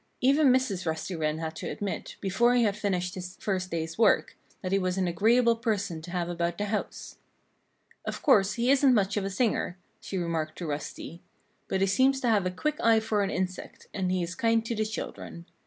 Even Mrs. Rusty Wren had to admit, before he had finished his first day's work, that he was an agreeable person to have about the house. "Of course he isn't much of a singer," she remarked to Rusty, "but he seems to have a quick eye for an insect, and he is kind to the children.